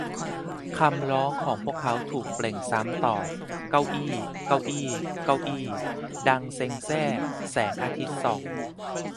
คำร้องของพวกเขาถูกเปล่งซ้ำตอบ "เก้าอี้" "เก้าอี้" "เก้าอี้" ดังเซ็งแซ่ แสงอาทิตย์ส่อง